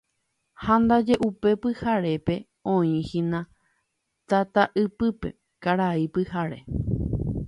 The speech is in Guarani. Ha ndaje upe pyharépe oĩhína tataypýpe Karai Pyhare.